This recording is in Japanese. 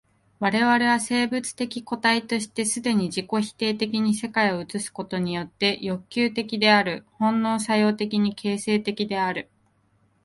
我々は生物的個体として既に自己否定的に世界を映すことによって欲求的である、本能作用的に形成的である。